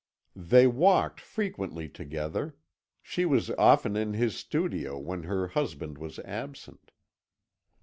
They walked frequently together; she was often in his studio when her husband was absent.